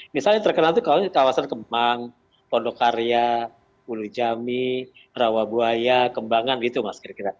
misalnya terkenal itu kalau di kawasan kemang pondokarya ulu jami rawabuaya kembangan gitu mas kira kira